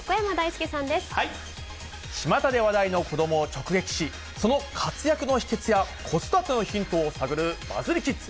ちまたで話題の子どもを直撃し、その活躍の秘けつや、子育てのヒントを探るバズリキッズ。